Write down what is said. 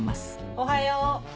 おはよう。